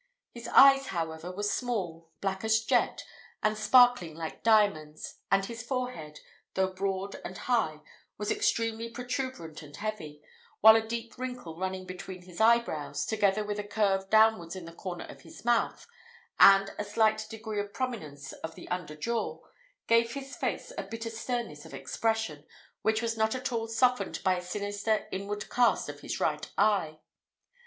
His eyes, however, were small, black as jet, and sparkling like diamonds; and his forehead, though broad and high, was extremely protuberant and heavy, while a deep wrinkle running between his eyebrows, together with a curve downwards in the corners of his mouth, and a slight degree of prominence of the under jaw, gave his face a bitter sternness of expression, which was not at all softened by a sinister inward cast of his right eye.